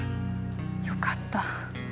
よかった。